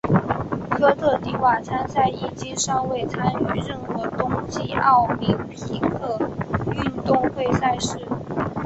科特迪瓦参赛迄今尚未参与任何冬季奥林匹克运动会赛事。